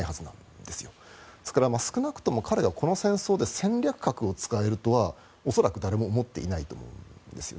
ですから少なくとも、彼がこの戦争で戦略核を使えるとは恐らく誰も思っていないと思うんですよね。